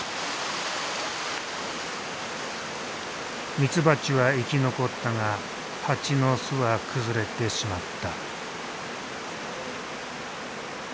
ミツバチは生き残ったがハチの巣は崩れてしまった。